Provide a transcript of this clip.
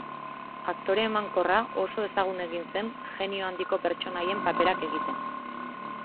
Aktore emankorra oso ezagun egin zen jenio handiko pertsonaien paperak egiten.